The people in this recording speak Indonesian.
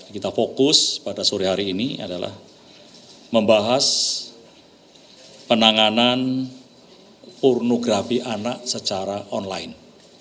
kita fokus pada sore hari ini adalah membahas penanganan pornografi anak secara online